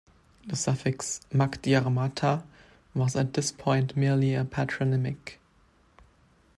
The suffix "mac Diarmata" was at this point merely a Patronymic.